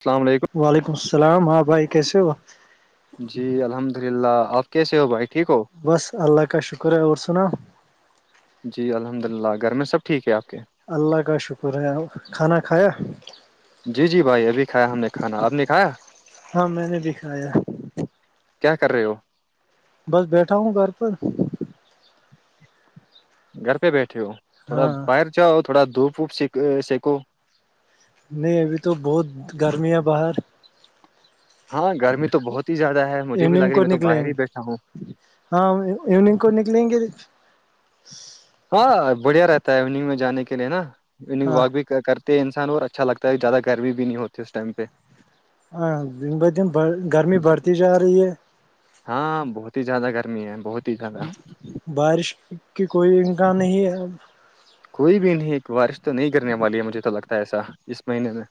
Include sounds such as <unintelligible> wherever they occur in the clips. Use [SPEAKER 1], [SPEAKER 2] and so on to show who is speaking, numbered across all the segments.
[SPEAKER 1] السلام علیکم
[SPEAKER 2] وعلیکم السلام ہاں بھائی کیسے ہوا
[SPEAKER 1] جی الحمد للہ آپ کیسے ہو بھائی ٹھیک ہو
[SPEAKER 2] بس اللہ کا شکر ہے اور سنا
[SPEAKER 1] جی الحمد للہ گھر میں سب ٹھیک ہے آپ کے
[SPEAKER 2] اللہ کا شکر ہے کھانا کھایا
[SPEAKER 1] جی جی بھائی ابھی کھایا ہم نے کھانا اب نہیں کھایا
[SPEAKER 2] ہاں میں نے بھی کھایا
[SPEAKER 1] کیا کر رہے ہو
[SPEAKER 2] بس بیٹھا ہوں گھر پر
[SPEAKER 1] گھر پہ بیٹھے ہو تھوڑا
[SPEAKER 2] ہاں
[SPEAKER 1] باہر جاؤ تھوڑا دھوپ ووپ س سینکو
[SPEAKER 2] نہیں ابھی تو بہت گرمی ہے باہر
[SPEAKER 1] ہاں گرمی تو بہت ہی زیادہ ہے مجھے بھی لگ
[SPEAKER 2] ایوننگ
[SPEAKER 1] رہی ہے
[SPEAKER 2] کو
[SPEAKER 1] میں تو
[SPEAKER 2] نکلیں
[SPEAKER 1] باہر
[SPEAKER 2] گے
[SPEAKER 1] ہی بیٹھا ہوں
[SPEAKER 2] ہاں ایوننگ کو نکلیں گے
[SPEAKER 1] ہاں بڑھیا رہتا ہے اگ میں جانے کے لیے نا انگ
[SPEAKER 2] ہاں
[SPEAKER 1] واق بھی کرتے ہیں انسان اور اچھا لگتا ہے زیادہ گرمی بھی نہیں ہوتی اس ٹائم پہ
[SPEAKER 2] ہاں دن بہ دن بڑ گرمی بڑھتی جا رہی ہے
[SPEAKER 1] ہاں بہت ہی زیادہ گرمی ہے بہت ہی زیادہ
[SPEAKER 2] بارش کی کوئی امکان نہیں ہے
[SPEAKER 1] کوئی بھی نہیں ایک بارش تو نہیں کرنے والی ہے مجھے تو لگتا ہے ایسا اس مہینے میں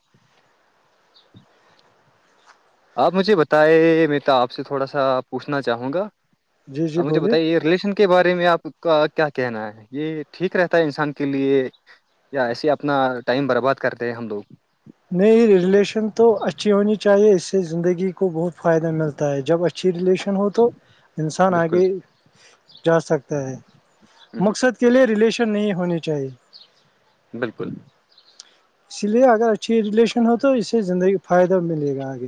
[SPEAKER 1] آپ مجھے بتائائے میں تو آپ سے تھوڑا سا پوچھنا چاہوں گا
[SPEAKER 2] جی
[SPEAKER 1] آ
[SPEAKER 2] جی
[SPEAKER 1] مجھے
[SPEAKER 2] بولیے
[SPEAKER 1] بتائیے یہ ریلیشن کے بارے میں آپ کا کیا کہنا ہے یہ ٹھیک رہتا ہے انسان کے لیے یا ایسے اپنا ٹائم برباد کرتے ہیں ہم لوگ
[SPEAKER 2] نہیں ریلیشن تو اچھی ہونی چاہیے اس سے زندگی کو بہت فائدہ ملتا ہے جب اچھی ریلیشن ہو تو انسان
[SPEAKER 1] بالکل
[SPEAKER 2] آگے جا سکتا ہے
[SPEAKER 1] ہوں ہوں،
[SPEAKER 2] مقصد کے لئے ریلیشن نہیں ہونی چاہیے
[SPEAKER 1] بالکل
[SPEAKER 2] اسی لیے اگر اچھی ریلیشن ہو تو اس سے زندگی کو فائدہ ملے گا آگے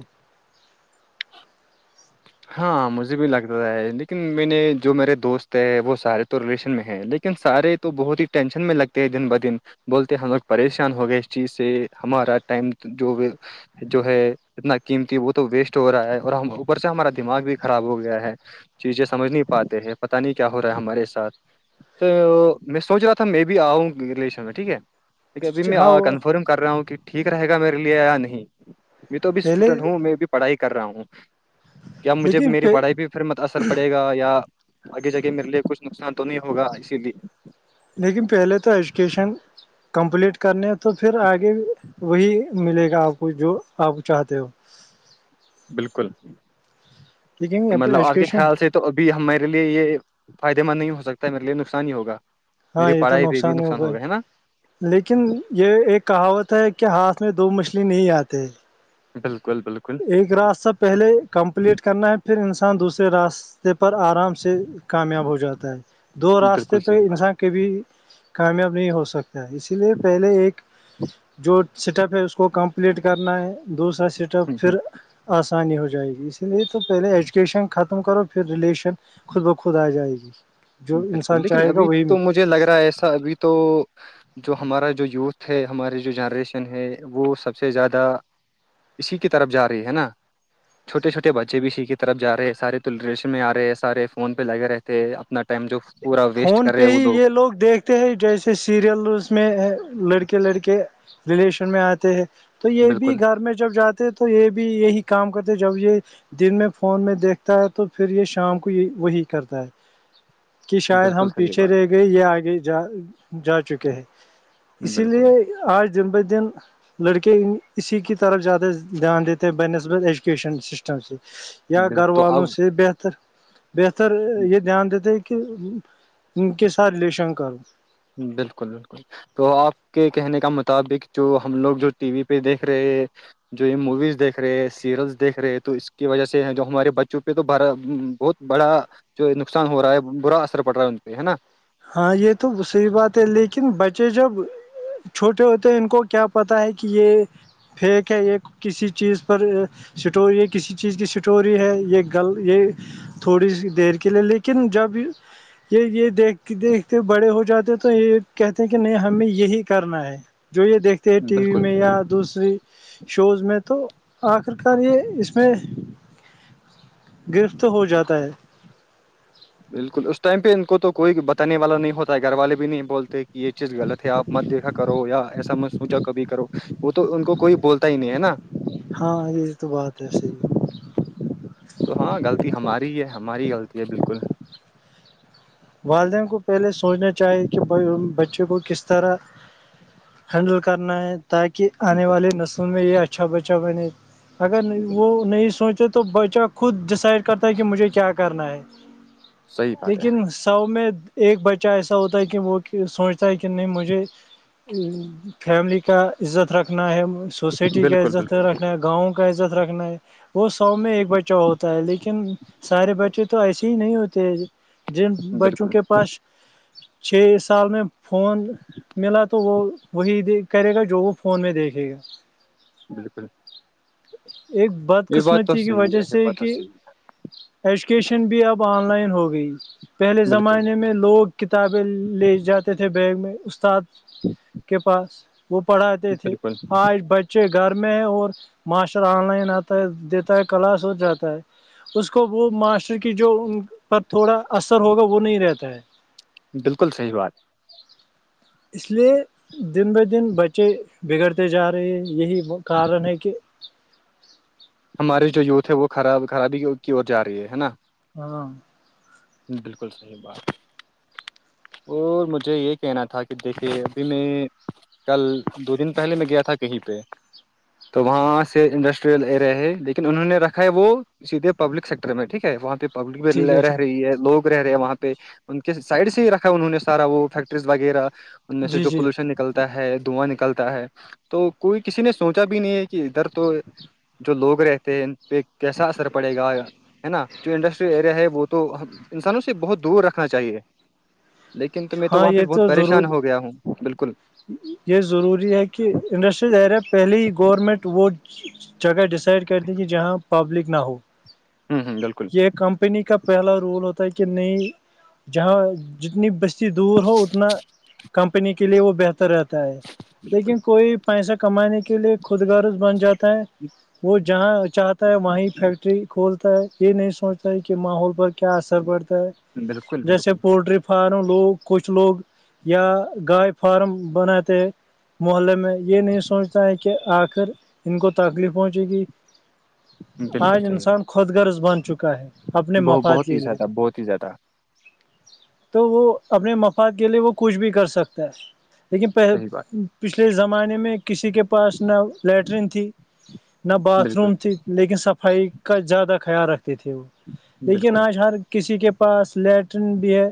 [SPEAKER 1] ہاں مجھے بھی لگتا ہے لیکن میں نے جو میرے دوست ہیں وہ سارے تو ریلیشن میں ہیں لیکن سارے تو بہت ہی ٹینشن میں لگتے ہے دن ب دن بولتے ہم لوگ پریشان ہو گئے اس چیز سے ہمارا ٹائم جو جو ہے اتنا قیمتی وہ تو ویسٹ ہو رہا ہے اور ہم اوپر سے ہمارا دماغ بھی خراب ہو گیا ہے چیزیں سمجھ نہیں پاتے ہیں پتہ نہیں کیا ہو رہا ہے ہمارے ساتھ تو میں سوچ رہا تھا میں بھی آؤں ریلیشن میں ٹھیک ہے ابھی میں
[SPEAKER 2] ہاں
[SPEAKER 1] کنفرم کر رہا ہوں کہ ٹھیک رہے گا میرے لیے یا نہیں میں تو بھیھی
[SPEAKER 2] پہلے
[SPEAKER 1] اسٹوڈینٹ ہوں میں بھی پڑھائی کر رہا ہوں کیا مجھے
[SPEAKER 2] لیکن
[SPEAKER 1] میری پڑھائی پہ پھر اثر پڑے گا یا آگے کےے میرے لیے کچھ نقصان تو نہیں ہوگا اسی لیے
[SPEAKER 2] لیکن پہلے تو ایجوکیشن کمپلیٹ کرنے ہیں تو پھر آگے وہی ملے گا آپ کو جو آپ چاہتے ہو
[SPEAKER 1] بالکل
[SPEAKER 2] لیکن
[SPEAKER 1] تو مطلب آپ کے
[SPEAKER 2] ایجوکیشن
[SPEAKER 1] خیال سے تو ابھی ہم میرے لیے یہ فائدے مند نہیں ہو سکتا ہے میرے لیے نقصان ہی ہوگا
[SPEAKER 2] ہاں
[SPEAKER 1] میری
[SPEAKER 2] یہ تو
[SPEAKER 1] پڑھائی پہ بھی
[SPEAKER 2] ہی
[SPEAKER 1] نقصان ہو
[SPEAKER 2] گئے
[SPEAKER 1] گیا ہے نا
[SPEAKER 2] لیکن یہ ایک کہاوت ہے کہ ہاتھ میں دو مچھلی نہیں آتے
[SPEAKER 1] بالکل بالکل
[SPEAKER 2] ایک راستہ پہلے کمپلیٹ کرنا ہے پھر انسان دوسرے راستے پر آرام سے کامیاب ہو جاتا ہے دو راستے
[SPEAKER 1] بالکل
[SPEAKER 2] پہ
[SPEAKER 1] صحیح بات
[SPEAKER 2] انسان کے بھی کامیاب نہیں ہو سکتا اسی لیے پہلے ایک جو سٹپ ہے اس کو کمپلیٹ کرنا ہے دوسرا سٹپ
[SPEAKER 1] ہ ہ
[SPEAKER 2] پھر آسانی ہو جائے گی اسی لیے تو پہلے ایجوکیشن ختم ختم کرو پھر ریلیشن خود بخود آ جائے گی جو
[SPEAKER 1] بالکل
[SPEAKER 2] انسان
[SPEAKER 1] لیکن
[SPEAKER 2] چاہے گا
[SPEAKER 1] ابھی
[SPEAKER 2] وہی میں
[SPEAKER 1] تو مجھے لگ رہا ہے ایسا ابھی تو جو ہمارا جو یوتھ ہے ہماری جو جنریشن ہے وہ سب سے زیادہ اسی کی طرف جا رہی ہے نا چھوٹے چھوے بچے بھی اسیح کی طرفا رہے سارے تولریش میں آ رہے ہیں سارے فون پہ لگے رہتے ہیں اتنا ٹائم جو پورا ویسٹ
[SPEAKER 2] فون
[SPEAKER 1] کر رہے
[SPEAKER 2] پہ
[SPEAKER 1] ہیں وہ
[SPEAKER 2] ہی یہ لوگ دیکھ جیسے سیریل میں لڑکے لڑکے ریلیشن میں آتے ہیں تو یہ
[SPEAKER 1] بالکل
[SPEAKER 2] بھی گھر میں جب جاتے تو یہ بھی یہی کام کرتے جب یہ دن میں فون میں دیکھتا ہے تو پھر یہ شام کو یہ وہی کرتا ہے کہ شاید
[SPEAKER 1] بالکل
[SPEAKER 2] ہم
[SPEAKER 1] صحیح
[SPEAKER 2] پیچھے
[SPEAKER 1] بات
[SPEAKER 2] رہ گئے یہ آگے جا جا چکے ہیں اسی لیے
[SPEAKER 1] بالکل
[SPEAKER 2] آج دن بہ دن لڑکی یوں کسی کی طرف زیادہ دھیان دیتے ہی یا
[SPEAKER 1] بالکل
[SPEAKER 2] گھر
[SPEAKER 1] تو اب
[SPEAKER 2] والون سے بہتر بہتر یہ دھیان دیتے ان کے ساتھ لیے شنک
[SPEAKER 1] بالکل بالکل تو آپ کے کہنے کا مطابق جو ہم لوگ جو ٹی وی پہ دیکھ رہے جو یہ موویز دیکھ رہے سیریلس دیکھ رہے تو اس کی وجہ سے جو ہمارے بچوں پہ تو با بہت بڑا جو نقصان ہو رہا ہے برا اثر پڑ رہا ہے ان پہ ہے نا
[SPEAKER 2] ہاں یہ تو صحیح بات ہے لیکن بچے جب چھوٹے ہوتے ہیں ان کو کیا پتاہ ہے کہ یہ پیک ہے ایک کسی چیز پر اسٹوری یہ کسی چیز کی اسٹوری ہے یہ گل یہ تھوڑی سی دیر کے لیے لیکن جب یہ یہ دیکھ کہ دیکھتے بڑے ہو جاتے تو یہ کہتے کہ نہیں ہمیں یہی کرنا ہے جو یہ دیکھ تھے ٹی وی
[SPEAKER 1] بالکل
[SPEAKER 2] میں یا دوسری شوز میں تو آخر کار یہ اس میں گرفت ہو جاتا ہے
[SPEAKER 1] بالکل اس ٹائم پہ ان کو تو کوئی بتانے والا نہیں ہوتا ہے گھر والے بھی نہیں بولتے یہ چیز غلط ہے آپ مت دیکھا کرو یا ایسا میں چا کبھی کرو وہ تو ان کو کوئی بولتا ہی نہیں ہے نا
[SPEAKER 2] ہاں یہ تو بات ہے صی
[SPEAKER 1] تو ہاں غلطی ہماری ہے ہماری غلطی ہے بالکل
[SPEAKER 2] والدین کو پہلے سوچنا چاہی کہ بچے کو کس طرح ہینڈل کرنا ہے تاکہ آنے والی
[SPEAKER 1] بالکل
[SPEAKER 2] نسلوں میں یہ اچھا بچہ بنے اگر وہ
[SPEAKER 1] بالکل بالکل
[SPEAKER 2] نہیں سوچے تو بچہ خود ڈیسائڈ کرتا ہے کہ مجھے کیا کرنا ہے
[SPEAKER 1] صحیح بات ہے
[SPEAKER 2] لیکن سو میں ایک بچہ ایسا ہوتا ہے کہ وہ سوچتا ہے کہ نہیں مجھے فیملی کا عزت رکھنا ہے سوسائٹی کا
[SPEAKER 1] بالکل
[SPEAKER 2] عزت
[SPEAKER 1] بالکل
[SPEAKER 2] رکھنا ہے گاؤں کا کا عزت رکھنا ہے وہ سو میں ایک بچہ ہوتا ہے لیکن سارے بچے تو ایسے ہی نہیں ہوتے جن بچوں
[SPEAKER 1] بالکل
[SPEAKER 2] کے پاس چھ سال میں فون ملا تو وہ وہی کرے گا جو وہ فون میں دیکھے گا
[SPEAKER 1] بالکل <unintelligible>
[SPEAKER 2] ایک بد
[SPEAKER 1] یہ بات تو
[SPEAKER 2] قسمتی کی
[SPEAKER 1] صحیح
[SPEAKER 2] وجہ
[SPEAKER 1] ہے یہ
[SPEAKER 2] سے
[SPEAKER 1] بات تو
[SPEAKER 2] کہ
[SPEAKER 1] صحیح ہے
[SPEAKER 2] ایجوکیشن بھی اب آن لائن ہو گئی پہلے
[SPEAKER 1] بالکل
[SPEAKER 2] زمانے میں لوگ کتابیں لے جاتے تھے بیگ میں استاد کے پاس وہ پڑھاتے تھے
[SPEAKER 1] بالکل
[SPEAKER 2] آج بچے بچے گھر میں ہے اور ماسٹر آن لائن آتا ہے دیتا ہے کلاس ہو جاتا ہے اس کو وہ ماسٹر کی جو ان پر تھوڑا اثر ہوگا وہ نہیں رہتا ہے
[SPEAKER 1] بالکل صحیح بات
[SPEAKER 2] اس لیے دن بہ دن بچے بگڑتے جا رہے ہیں یہی کارن ہے کہ
[SPEAKER 1] ہماری جو یوھ ہے وہ خراب خرابی کی اور ج رہی ہے نا
[SPEAKER 2] ہاں
[SPEAKER 1] بالکل صحیح بات اور مجھے یہ کہنا تھا کہ دیکھیے ابھی میں کل دو دن پہلے میں گیا تھا کہیں پہ تو وہاں سے انڈسٹریل ایریا ہے لیکن انہوں نے رکھا ہے وہ سیدھے پبلک سیکٹر میں ٹھیک ہے وہاں پہ پبلک بھی
[SPEAKER 2] ٹھیک ہے ٹھیک
[SPEAKER 1] رہی ہے لوگ رہ رہے ہیں وہاں پہ ان کے سائڈ سے ہی رکھ انہوں نے سارا وہ فیکٹریز وغیرہ ان میں سے
[SPEAKER 2] جی
[SPEAKER 1] جو
[SPEAKER 2] جی
[SPEAKER 1] پولوشن نکتا ہے دھواں نکلتا ہے تو کوئی کسی نے سوچا بھی نہیں ہے کہ ادھر تو جو لوگ رہتے ہیں ان پہ کیسا اثر پڑے گا ہے نا جو انڈسٹریل ایریا ہے وہ تو ہم انسانوں سے بہت دور رکھنا چاہیے لیکن تو میں تو
[SPEAKER 2] ہاں
[SPEAKER 1] وہاں پہ
[SPEAKER 2] یہ
[SPEAKER 1] بہت
[SPEAKER 2] ضرور
[SPEAKER 1] پریشان ہو گیا ہوں بالکل
[SPEAKER 2] یہ ضروری ہے کہ انڈسٹریل ایریا پہلے ہی گورنمنٹ وہ جگہ ڈیسائڈ کرتی کہ جہاں پبلک نہ ہو
[SPEAKER 1] ہ ہ بالکل
[SPEAKER 2] یہ ایک کمپنی کا پہلا رول ہوتا ہے کہ نہیں جہاں جتنی بستی دور ہو اتنا کمپنی کے لیے وہ بہتر رہتا ہے لیکن کوئی پیسہ کمانے کے لیے خود گارز بن جاتا وہ جہاں چاہتا ہے وہیں فیکٹری کھولتا ہے یہ نہیں سوچتا ہے کہ ماحول پر کیا اثر پڑتا ہے
[SPEAKER 1] بالکل
[SPEAKER 2] جیسے
[SPEAKER 1] بالکل
[SPEAKER 2] پولٹری پر فارم لوگ کچھ لوگ یا گائے فارم بناتے ہیں محلے میں یہ نہیں سوچتا ہے کہ آخر ان کو تکلیف ہوہنچے گی
[SPEAKER 1] بالکل
[SPEAKER 2] آج
[SPEAKER 1] صحیح
[SPEAKER 2] انسان خود غرض بن چکا ہے اپنے
[SPEAKER 1] بہ
[SPEAKER 2] مفاد
[SPEAKER 1] بہت ہی
[SPEAKER 2] کے لیے
[SPEAKER 1] زیادہ بہت ہی زیادہ
[SPEAKER 2] تو وہ اپنے مفاد کے لیے وہ کچھ بھی کر سکتا ہے لیکن
[SPEAKER 1] صحیح بات
[SPEAKER 2] پہلے پچھلے زمانے میں کسی کے پاس نہ لیٹرین تھی نہ باتھ
[SPEAKER 1] بالکل
[SPEAKER 2] روم تھی لیکن صفائی کا زیادہ خیال رکھتے تھے وہ لیکن
[SPEAKER 1] بالکل
[SPEAKER 2] آج ہر کسی کے پاس لیٹرن بھی ہے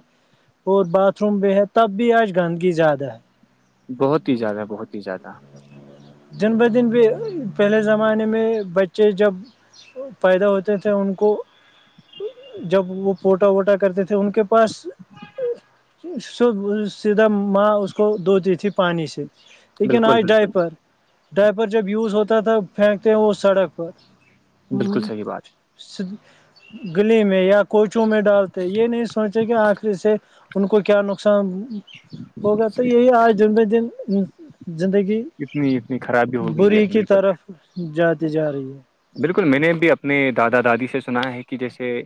[SPEAKER 2] اور باتھ روم بھی ہے تب بھی آج گندگی زیادہ ہے
[SPEAKER 1] بہت ہی زیادہ بہت ہی زیادہ
[SPEAKER 2] دن بہ دن بھی پہلے زمانے میں بچے جب پیدا ہوتے تھے ان کو جب وہ پوٹا ووٹا کرتے تھے ان کے پاس سیدھا ماں اس کو دھوتی تھی پانی سے لیکن
[SPEAKER 1] بالکل
[SPEAKER 2] آج
[SPEAKER 1] بالکل
[SPEAKER 2] ڈائیپر ڈائپر جب یوز ہوتا تھا پھینکتے ہیں وہ سڑک پر
[SPEAKER 1] بالکل صحیح بات
[SPEAKER 2] گلی میں یا کوچوں میں ڈالتے یہ نہیں سوچے کہ آخر اسے ان کو کیا نقصان ہوگا تو
[SPEAKER 1] صحیح
[SPEAKER 2] یہی آج دن بہ دن زندگی
[SPEAKER 1] بات، اتنی اتنی خرابی ہو گئی
[SPEAKER 2] بری
[SPEAKER 1] ہے
[SPEAKER 2] کی
[SPEAKER 1] بالکل
[SPEAKER 2] طرف جاتی جا رہی ہے
[SPEAKER 1] بالکل میں نے بھی اپنے دادا دادی سے سنا ہے کہ جیسے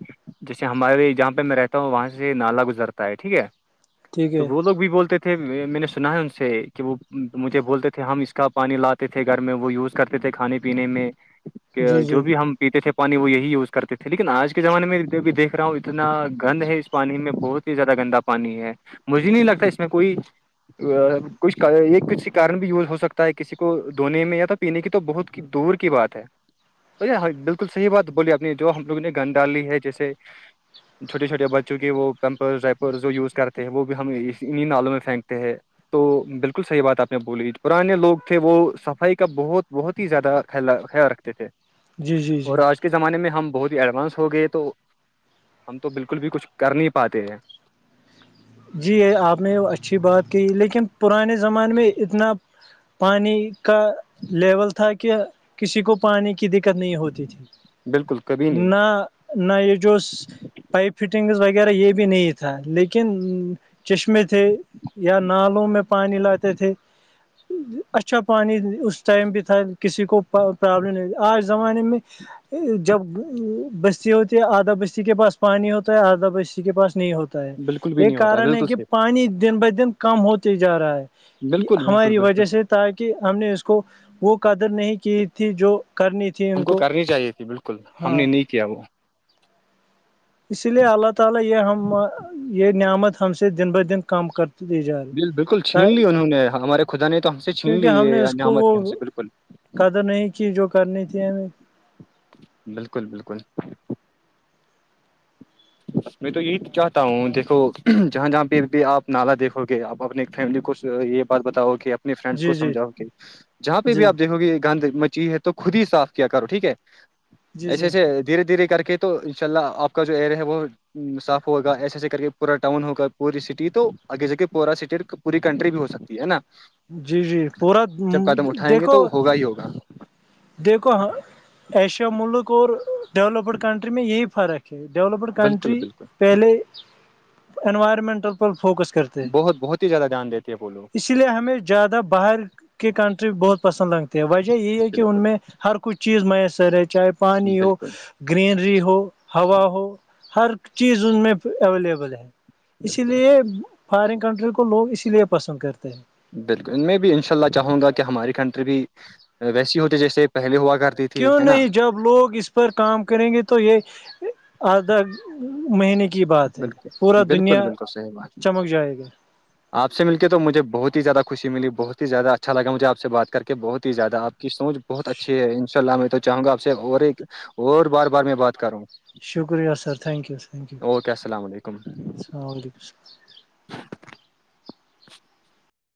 [SPEAKER 1] جیسے ہمارے جہاں پہ میں رہتا ہوں وہاں سے نالا گزرتا ہے ٹھیک ہے
[SPEAKER 2] ٹھیک
[SPEAKER 1] تو
[SPEAKER 2] ہے
[SPEAKER 1] وہ لوگ بھی بولتے تھے میں نے سنا ہے ان سے کہ وہ مجھے بولتے تھے ہم اس کا پانی لاتے تھے گھر میں وہ یوز کرتے تھے کھانے پینے میں کہ
[SPEAKER 2] جی
[SPEAKER 1] جو
[SPEAKER 2] جی
[SPEAKER 1] بھی ہم پیتے تھے پانی وہ یہی یوز کرتے تھے لیکن آج کے زمانے میں بھی دیکھ رہا ہوں اتنا گند ہے اس میں پانی میں بہت ہی زیادہ گندا پانی ہے مجھے نہیں لگتا اس میں کوئی کچھ ایہ کسی کارن بھی یوز ہو سکتا ہے کسی کو دھونے میں یا تو پینے کی تو بہت دور کی بات ہے تو یہائی بالکل صحیح بات بولی اپنی جو ہم لوگوں نے گند ڈالی ہے جیسے چھوٹے چھوٹے بچوں کے وہ پمپر ڈائپر جو یوز کرتے ہیں وہ بھی ہم اس انہیں نالوں میں پھینکتے ہیں تو بالکل صحیح بات آپ نے بولی پرانے لوگ تھے وہ صفائی کا بہت بہت ہی زیادہ خیال رکھتے تھے
[SPEAKER 2] جی جی
[SPEAKER 1] اور
[SPEAKER 2] جی
[SPEAKER 1] آج کے زمانے میں ہم بہت ہی ایڈوانس ہو گئے تو ہم تو بالکل بھی کچھ کر نہیں پاتے ہیں
[SPEAKER 2] جی آپ نے اچھی بات کہ لیکن پرانے زمانے میں اتنا پانی کا لیول تھا کہ کسی کو پانی کی دقت نہیں ہوتی تھی
[SPEAKER 1] بالکل کبھی نہیں
[SPEAKER 2] نہ نہ یہ جو پائپ فٹنگز وغیرہ یہ بھی نہیں تھا لیکن چشمے تھے یا نالوں میں پانی لاتے تھے اچھا پانی اس ٹائم بھی تھا کسی کو پرابلم نہیں آج زمانے میں جب بستی ہوتی ہے آدھا بستی کے پاس پانی ہوتا ہے آدھا بستی کے پاس نہیں ہوتا تا ہے
[SPEAKER 1] بالکل بھی
[SPEAKER 2] یہ
[SPEAKER 1] نہیں ہوتا
[SPEAKER 2] کارن ہے
[SPEAKER 1] بالکل
[SPEAKER 2] کہ
[SPEAKER 1] صحیح
[SPEAKER 2] پانی دن بہ دن کم ہوتے جا رہا ہے
[SPEAKER 1] بالکل بالکل
[SPEAKER 2] ہماری
[SPEAKER 1] بالکل
[SPEAKER 2] وجہ سے تھا کہ ہم نے اس کو وہ قدر نہیں کی تھی جو کرنی تھی
[SPEAKER 1] ہم کو کرنی چاہیے تھی بالکل ہم
[SPEAKER 2] ہاں
[SPEAKER 1] نے نہیں کیا وہ
[SPEAKER 2] اسی لیے اللہ تعالی یہ ہم یہ نعمت ہم سے دن بہ دن کم کر <unintelligible>
[SPEAKER 1] بالت بالکل چھین لی انہوں نے ہمارے خدا نے تو ہم سے چھین
[SPEAKER 2] کیونکہ
[SPEAKER 1] لی
[SPEAKER 2] ہم نے
[SPEAKER 1] یہ
[SPEAKER 2] اس کو
[SPEAKER 1] انعمت ہی ہم
[SPEAKER 2] وہ
[SPEAKER 1] سے بالکل
[SPEAKER 2] قدر نہیں کی جو کرنی تھی ہمیں
[SPEAKER 1] بالکل بالکل میں تو یہی چاہتا ہوں دیکھو جہاں جہاں پہ بھی آپ نالا دیکھو گے آپ اپنے فیملی کو یہ بات بتاؤ کہ اپنے فرینڈس کو
[SPEAKER 2] جی جی
[SPEAKER 1] سمجھاؤ کہ جہاں پہ بھی
[SPEAKER 2] جی
[SPEAKER 1] آپ دیکھو گے گند مچی ہے تو خود ہی صاف کیا کرو ٹھیک ہے
[SPEAKER 2] جی
[SPEAKER 1] ایسے
[SPEAKER 2] جی
[SPEAKER 1] ایسے دھیرے دھیرے کر کے تو تو ان شاء اللہ آپ کا جو ایریا ہے وہ صاف ہوگا ایسے ایسے کر کے پورا ٹؤن ہوگا پوری سٹی تو آگے جے پورا سٹیٹ پوری کنٹری بھی ہو سکتی ہے نا
[SPEAKER 2] جی جی پورا
[SPEAKER 1] جب قدم اٹھائیں گے
[SPEAKER 2] دیکھو
[SPEAKER 1] تو ہوگا ہی ہوگا
[SPEAKER 2] دیکھو ایشیا ملک اور ڈیولپڈ کنٹری میں یہی فرق ڈیولپڈ
[SPEAKER 1] بالکل
[SPEAKER 2] کنٹری
[SPEAKER 1] بالکل
[SPEAKER 2] پہلے انوائرمنٹل پر فوکس کرتی
[SPEAKER 1] بہت بہت ہی زیادہ دھیان دیتے ہیں وہ لوگ
[SPEAKER 2] اسی لیے ہمیں زیادہ باہر کے کنٹری بہت پسند لگتی ہیں وجہ یہی ہے کہ ان
[SPEAKER 1] بالکل
[SPEAKER 2] میں ہر کوئی چیز میسر ہے چاہے پانی ہو
[SPEAKER 1] بالکل
[SPEAKER 2] گرینری ہو ہوا ہو ہر چیز ان میں اویلیبل ہے اسی
[SPEAKER 1] بالکل
[SPEAKER 2] لیے فارن کنٹری کو لوگ اسی لیے پسند کرتے ہیں
[SPEAKER 1] بالکل میں بھی ان شاء اللہ چاہوں گا کہ ہماری کنٹری بھی ویسی ہوتی جیسے پہلے ہوا کرتی تھی
[SPEAKER 2] کیوں
[SPEAKER 1] ہے نا
[SPEAKER 2] نہیں جب لوگ اس پر کام کریں گے تو یہ آدھا مہینے کے کی بات ہے
[SPEAKER 1] بالکل
[SPEAKER 2] پورا دنیا چمک جائے گا
[SPEAKER 1] <inaudible> آ پ سے مل کے تو مجھے بہت ہی زیادہ خوشی ملی بہت ہی زیادہ اچھا لگا مھے آ پ سے بات کر کے بہت ہی زیادہ آ پکی سوچ بہت اچھی ہے ان شاء اللہ میں تو چاہوں گا آپ سے اور ایک اور بار بار میں بات کر وں
[SPEAKER 2] شکریہ sir thank you thank you
[SPEAKER 1] okay السلام علیکم
[SPEAKER 2] السلام علیکم السلام